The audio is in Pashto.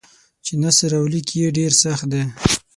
چې نثر او لیک یې ډېر سخت دی.